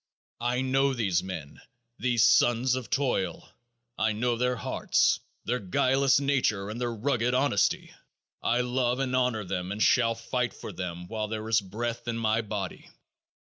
I know these men, these sons of toil; I know their hearts, their guileless nature and their rugged honesty. I love and honor them and shall fight for them while there is breath in my body.